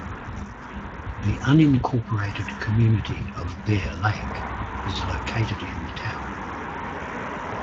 The unincorporated community of Bear Lake is located in the town.